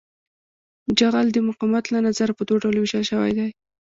جغل د مقاومت له نظره په دوه ډلو ویشل شوی دی